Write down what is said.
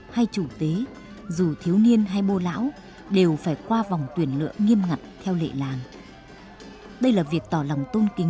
hãy tự động vào lễ tổ tiên